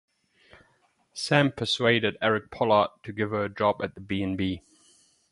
Sam persuaded Eric Pollard to give her a job at the B and B.